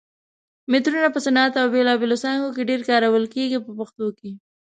مترونه په صنعت او بېلابېلو څانګو کې ډېر کارول کېږي په پښتو کې.